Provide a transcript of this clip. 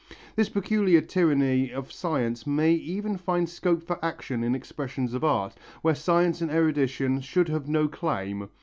This peculiar tyranny of science may even find scope for action in expressions of art, where science and erudition should have no claim.